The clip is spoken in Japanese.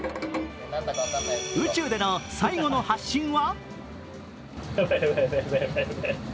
宇宙での最後の発信は？